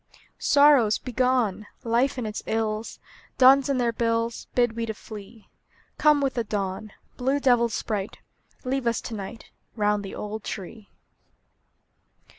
Sorrows, begone! Life and its ills, Duns and their bills, Bid we to flee. Come with the dawn, Blue devil sprite; Leave us to night, Round the old tree!